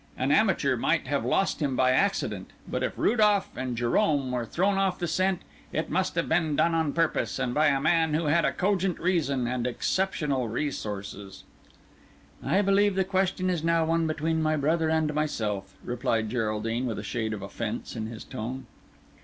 An amateur might have lost him by accident, but if Rudolph and Jérome were thrown off the scent, it must have been done on purpose, and by a man who had a cogent reason and exceptional resources." "I believe the question is now one between my brother and myself," replied Geraldine, with a shade of offence in his tone.